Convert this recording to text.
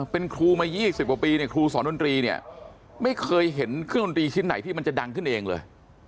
เป็นครูมา๒๐กว่าปีเนี่ยครูสอนดนตรีเนี่ยไม่เคยเห็นเครื่องดนตรีชิ้นไหนที่มันจะดังขึ้นเองเลย